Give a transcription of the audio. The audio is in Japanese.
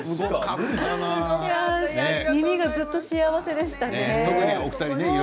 耳がずっと幸せでした。